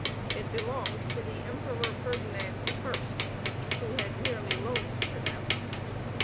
It belonged to the Emperor Ferdinand I, who had merely loaned it to them.